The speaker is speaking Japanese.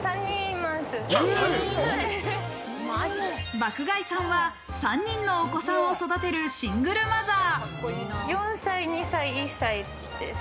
爆買いさんは３人のお子さんを育てるシングルマザー。